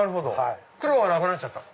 黒はなくなっちゃった？